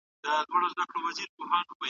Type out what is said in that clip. ډېر مي ياديږي دخپلي کلي د خپل غره ملګري